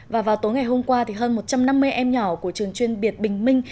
và vào tối ngày hôm qua thì hơn một trăm năm mươi em nhỏ của trường chuyên biệt bình minh